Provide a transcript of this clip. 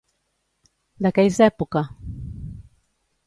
De què és època?